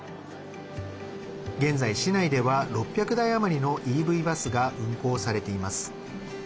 現在、市内では６００台余りのＥＶバスが運行されています。